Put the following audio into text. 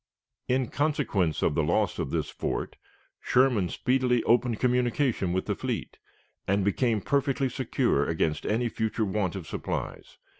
In consequence of the loss of this fort, Sherman speedily opened communication with the fleet, and became perfectly secure against any future want of supplies.